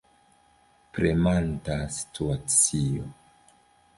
Premanta situacio.